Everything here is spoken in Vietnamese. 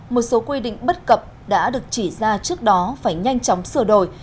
một số quy định bất cập đã được chỉ ra trước đó phải nhanh chóng sửa đổi